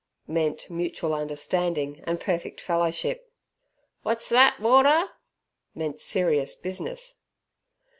meant mutual understanding and perfect fellowship. "What's thet, Warder?" meant serious business.